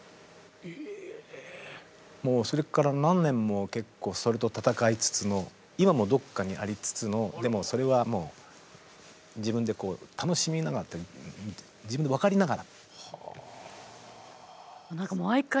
もうそれから何年も結構それと闘いつつの今もどっかにありつつのでもそれはもう自分で楽しみながら自分で分かりながら。